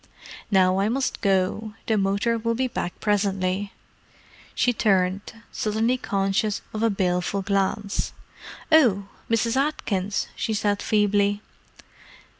Now I must go: the motor will be back presently." She turned, suddenly conscious of a baleful glance. "Oh!—Mrs. Atkins!" she said feebly.